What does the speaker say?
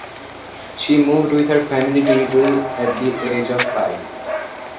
She moved with her family to Italy at the age of five.